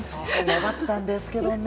粘ったんですけどね